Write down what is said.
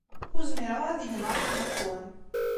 Ur zmireɣ ara ad gneɣ akken iqwem.